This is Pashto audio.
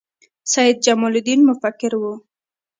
سید جمال الدین مفکر و